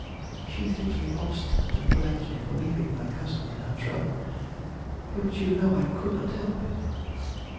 She thinks me obstinate, and blames me for leaving my cousin in her trouble. But you know I could not help it.